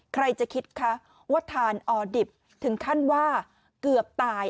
ใครจะคิดคะว่าทานออดิบถึงขั้นว่าเกือบตาย